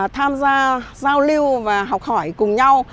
tham gia giao lưu và học hỏi cùng nhau